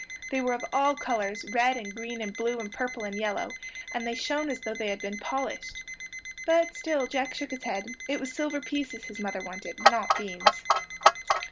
They were of all colors, red and green and blue and purple and yellow, and they shone as though they had been polished. But still Jack shook his head. It was silver pieces his mother wanted, not beans.